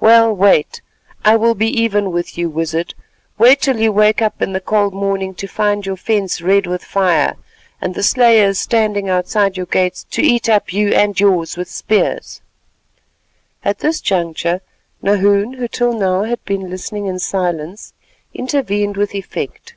Well, wait, I will be even with you, Wizard; wait till you wake up in the cold morning to find your fence red with fire, and the slayers standing outside your gates to eat up you and yours with spears——" At this juncture Nahoon, who till now had been listening in silence, intervened with effect.